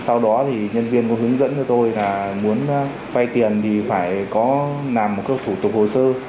sau đó nhân viên hướng dẫn cho tôi là muốn vay tiền thì phải có làm một phủ tục hồ sơ